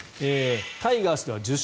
タイガースでは１０